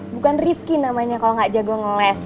bukan rifki namanya kalau gak jago ngeles